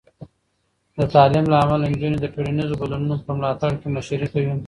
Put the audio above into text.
د تعلیم له امله، نجونې د ټولنیزو بدلونونو په ملاتړ کې مشري کوي.